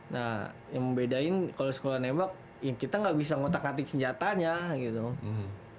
nah yang membedain kalau sekolah nembak ya kita nggak bisa ngotak ngatik senjatanya gitu kan